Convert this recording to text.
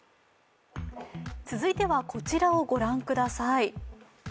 続いてはこちらを御覧ください。